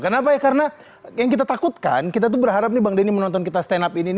kenapa ya karena yang kita takutkan kita tuh berharap nih bang denny menonton kita stand up ini